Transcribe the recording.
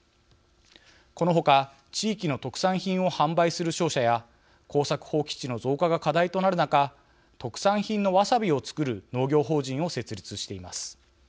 このほか地域の特産品を販売する商社や耕作放棄地の増加が課題となる中特産品のわさびを作る農業法人を設立しています。